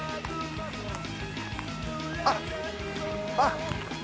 あっあっ。